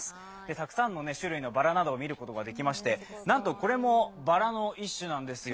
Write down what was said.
たくさんの種類のバラなどを見ることができまして、なんと、これもバラの一種なんですよ。